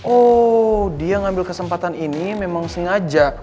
oh dia ngambil kesempatan ini memang sengaja